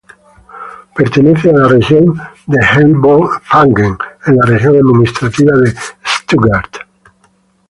Pertenece a la región de Heilbronn-Franken en la región administrativa de Stuttgart.